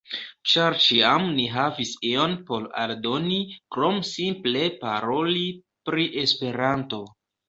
Ĉar ĉiam ni havis ion por aldoni krom simple paroli pri Esperanto.